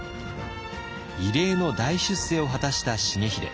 異例の大出世を果たした重秀。